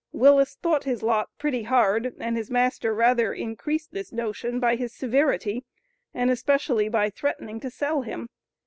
Willis thought his lot "pretty hard," and his master rather increased this notion by his severity, and especially by "threatening" to sell him.